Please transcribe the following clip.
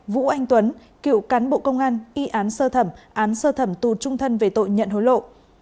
vũ anh tuấn cựu cán bộ công an y án sơ thẩm án sơ thẩm tù trung thân về tội nhận hối lộ